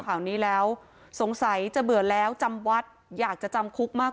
ข่าวนี้แล้วสงสัยจะเบื่อแล้วจำวัดอยากจะจำคุกมาก